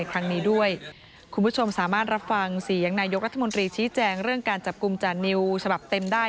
ขอบคุณครับ